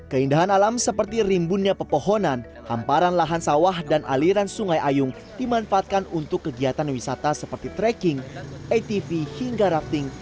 keindahan alam seperti rimbunnya pepohonan hamparan lahan sawah dan aliran sungai ayung dimanfaatkan untuk kegiatan wisata seperti trekking atv hingga rafting